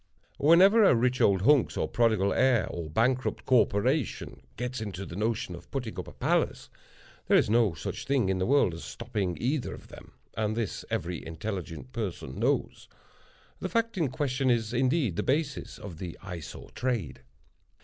Whenever a rich old hunks or prodigal heir or bankrupt corporation gets into the notion of putting up a palace, there is no such thing in the world as stopping either of them, and this every intelligent person knows. The fact in question is indeed the basis of the Eye Sore trade.